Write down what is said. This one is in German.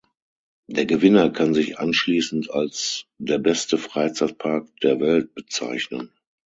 Der Gewinner kann sich anschließend als „Der beste Freizeitpark der Welt“ bezeichnen.